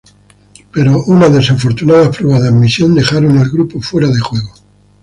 Pero unas desafortunadas pruebas de admisión dejaron al grupo fuera de juego.